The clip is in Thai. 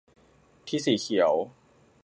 ที่สีเขียว